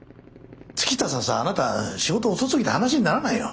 月下さんさあなた仕事遅すぎて話にならないよ。